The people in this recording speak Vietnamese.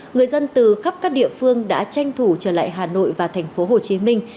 người dân từ khắp các địa phương đã tranh thủ trở lại hà nội và thành phố hồ chí minh